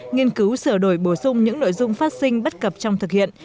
nghiên cứu sửa đổi bổ sung những nội dung phát sinh bất cập trong thực hiện